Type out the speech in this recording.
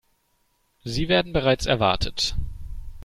Sie werden bereits erwartet.